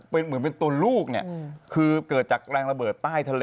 เป็นอาน๊ะ